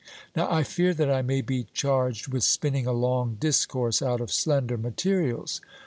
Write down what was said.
Now I fear that I may be charged with spinning a long discourse out of slender materials.